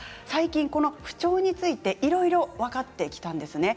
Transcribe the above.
最近、この不調についていろいろ分かってきたんです。